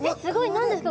何ですか？